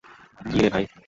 কি রে ভাই!